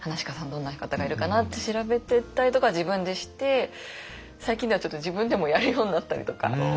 どんな方がいるかなって調べてったりとかは自分でして最近ではちょっと自分でもやるようになったりとか。